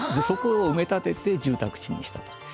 そこを埋め立てて住宅地にしたと。